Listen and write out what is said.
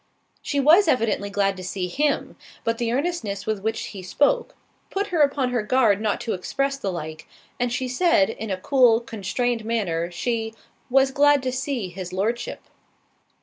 She was evidently glad to see him; but the earnestness with which he spoke, put her upon her guard not to express the like, and she said, in a cool constrained manner, she "Was glad to see his Lordship."